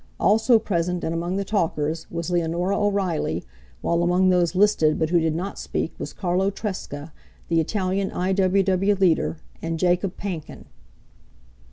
Also present and among the talkers was Leonora O'Reilly, while among those listed but who did not speak was Carlo Tresca, the Italian I. W. W. leader, and Jacob Panken.